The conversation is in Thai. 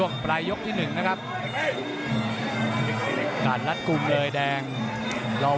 วันนี้เดี่ยงไปคู่แล้วนะพี่ป่านะ